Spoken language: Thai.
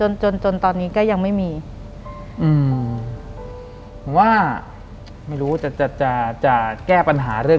หลังจากนั้นเราไม่ได้คุยกันนะคะเดินเข้าบ้านอืม